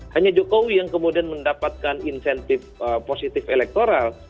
hanya jokowi yang kemudian mendapatkan insentif positif elektoral